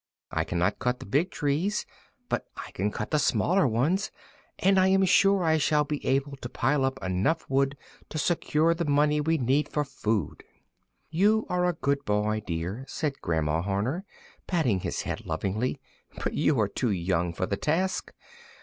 I cannot cut the big trees, but I can the smaller ones, and I am sure I shall be able to pile up enough wood to secure the money we need for food." "You are a good boy, dear," said grandma Horner, patting his head lovingly, "but you are too young for the task.